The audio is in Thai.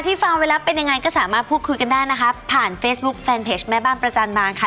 ฟังไปแล้วเป็นยังไงก็สามารถพูดคุยกันได้นะคะผ่านเฟซบุ๊คแฟนเพจแม่บ้านประจันบานค่ะ